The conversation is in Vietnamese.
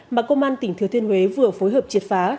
mà công an tỉnh thừa thiên huế vừa phối hợp triệt phá